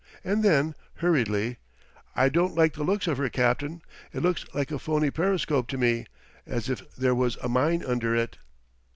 And then, hurriedly: "I don't like the looks of her, captain it looks like a phony periscope to me as if there was a mine under it!"